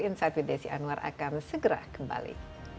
insight with desi anwar akan segera kembali